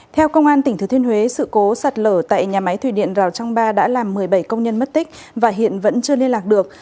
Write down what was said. theo công an tỉnh thừa thiên huế sự cố sạt lở tại nhà máy thủy điện rào trang ba đã làm một mươi bảy công nhân mất tích và hiện vẫn chưa liên lạc được